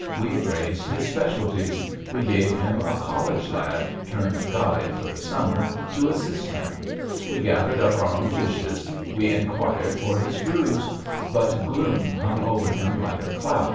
We praised his specialties. We gave him a college lad, turned guide for the summer, to assist him. We gathered up our own dishes. We inquired for his bruise. But gloom hung over him like a cloud.